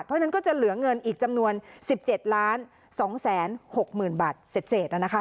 เพราะฉะนั้นก็จะเหลือเงินอีกจำนวนสิบเจ็ดล้านสองแสนหกหมื่นบาทเสร็จเสร็จแล้วนะคะ